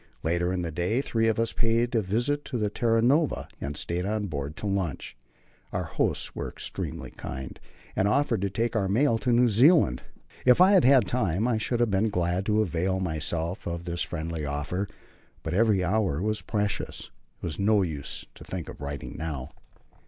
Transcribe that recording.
Later in the day three of us paid a visit to the Terra Nova, and stayed on board to lunch. Our hosts were extremely kind, and offered to take our mail to New Zealand. If I had had time, I should have been glad to avail myself of this friendly offer, but every hour was precious. It was no use to think of writing now.